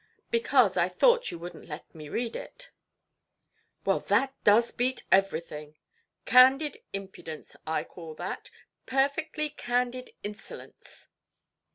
"Because I thought you wouldnʼt let me read it". "Well, that does beat everything. Candid impudence, I call that, perfectly candid insolence"!